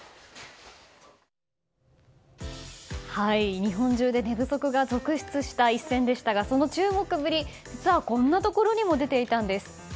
日本中で寝不足が続出した一戦でしたがその注目ぶり、実はこんなところにも出ていたんです。